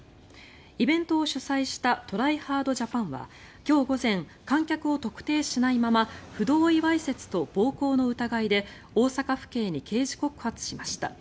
イベントを主催したＴｒｙＨａｒｄＪａｐａｎは今日午前、観客を特定しないまま不同意わいせつと暴行の疑いで大阪府警に刑事告発しました。